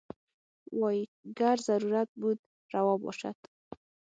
وايي ګر ضرورت بود روا باشد.